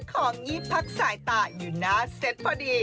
ของงีบพักสายตาอยู่หน้าเซตพอดี